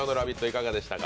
いかがでしたか？